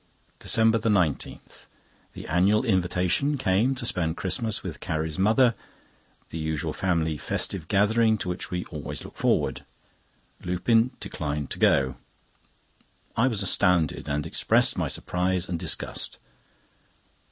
DECEMBER 19.—The annual invitation came to spend Christmas with Carrie's mother—the usual family festive gathering to which we always look forward. Lupin declined to go. I was astounded, and expressed my surprise and disgust.